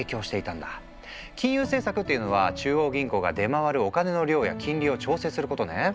金融政策というのは中央銀行が出回るお金の量や金利を調整することね。